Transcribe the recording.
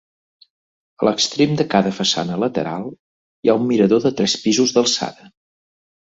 A l'extrem de cada façana lateral hi ha un mirador de tres pisos d'alçada.